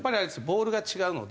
ボールが違うので。